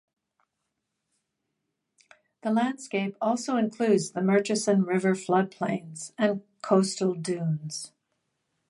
The landscape also includes the Murchison River flood plains and coastal dunes.